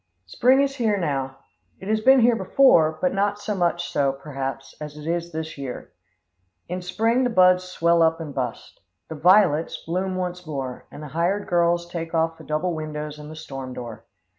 Spring is now here. It has been here before, but not so much so, perhaps, as it is this year. In spring the buds swell up and bust. The "violets" bloom once more, and the hired girl takes off the double windows and the storm door.